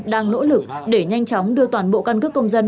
đang nỗ lực để nhanh chóng đưa toàn bộ căn cước công dân